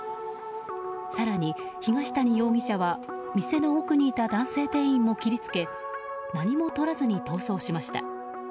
更に、東谷容疑者は店の奥にいた男性店員も切り付け何も取らずに逃走しました。